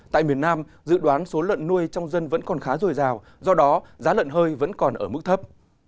tại miền nam dự đoán số lợn nuôi trong dân vẫn còn khá dồi dào do đó giá lợn hơi vẫn còn ở mức thấp